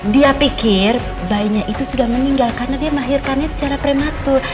dia pikir bayinya itu sudah meninggal karena dia melahirkannya secara prematur